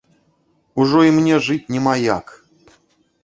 Ужо і мне жыць няма як!